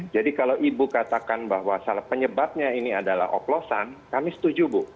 jadi kalau ibu katakan bahwa penyebabnya ini adalah oplosan kami setuju bu